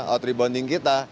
out rebounding kita